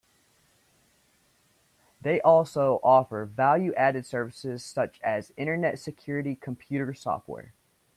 They also offer value-added services such as Internet security computer software.